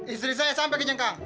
istri saya sampai ke jengkang